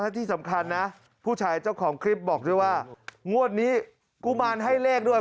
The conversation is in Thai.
ที่สำคัญนะผู้ชายเจ้าของคลิปบอกด้วยว่างวดนี้กุมารให้เลขด้วย